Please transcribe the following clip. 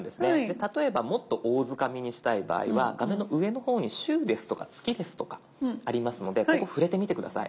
例えばもっと大づかみにしたい場合は画面の上の方に週ですとか月ですとかありますのでここ触れてみて下さい。